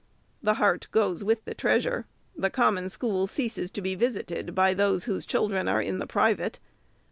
The heart goes with the treasure. The Common School ceases to be visited by those whose children are in the private.